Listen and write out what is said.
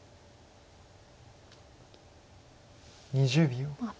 ２０秒。